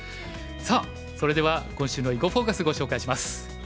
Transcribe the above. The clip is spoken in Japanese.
さあそれでは今週の「囲碁フォーカス」ご紹介します。